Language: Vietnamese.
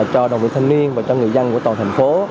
cho đồng viên thanh niên và cho người dân